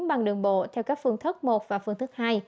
bằng đường bộ theo các phương thức một và phương thức hai